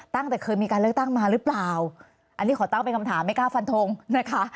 ตั้งแต่เคยมีการเลือกตั้งมาหรือเปล่าอันนี้ขอตั้งเป็นคำถามไม่กล้าฟันทงนะคะ